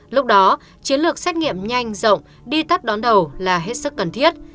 lúc đó chiến lược xét nghiệm nhanh rộng đi tắt đón đầu là hết sức cần thiết